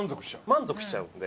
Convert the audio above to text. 満足しちゃうので。